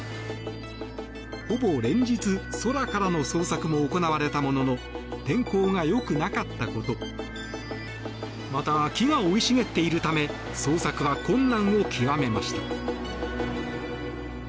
ほぼ連日、空からの捜索も行われたものの天候が良くなかったことまた、木が生い茂っているため捜索は困難を極めました。